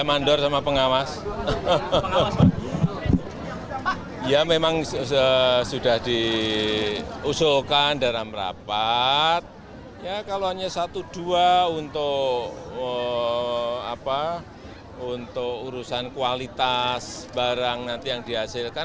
apa untuk urusan kualitas barang nanti yang dihasilkan